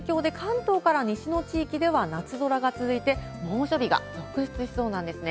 その影響で、関東から西の地域では夏空が続いて、猛暑日が続出しそうなんですね。